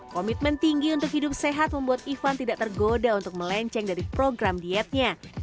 komitmen tinggi untuk hidup sehat membuat ivan tidak tergoda untuk melenceng dari program dietnya